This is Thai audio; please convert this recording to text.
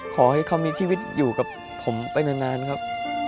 ขอให้เขามีชีวิตอยู่กับผมไปนานครับ